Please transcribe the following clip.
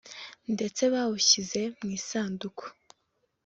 ndetse bawushyize mu isanduku